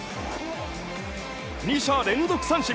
２者連続三振。